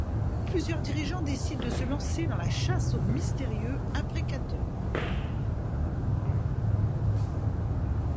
Plusieurs dirigeants décident de se lancer dans la chasse au mystérieux imprécateur.